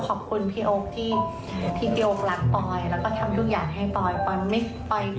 ขอบคุณพี่โอ๊คที่โยกรักปอยแล้วก็ทำทุกอย่างให้ปอยปอย